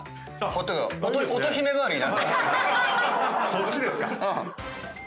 そっちですか。